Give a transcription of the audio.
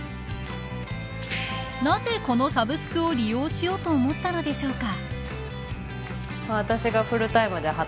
なぜこのサブスクを利用しようと思ったのでしょうか。